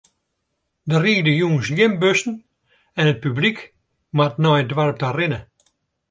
Der ride jûns gjin bussen en it publyk moat nei it doarp ta rinne.